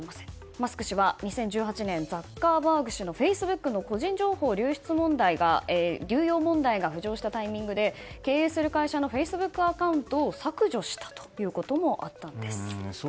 マスク氏は２０１８年ザッカーバーグ氏のフェイスブックの個人情報の流用問題が浮上したタイミングで経営する会社のフェイスブックアカウントを削除したということもありました。